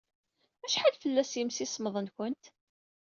Acḥal fell-as yimsismeḍ-nwent?